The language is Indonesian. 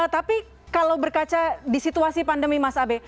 tapi kalau berkaca di situasi pandemi mas abe